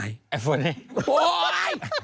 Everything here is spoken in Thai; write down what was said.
อันโฟนี่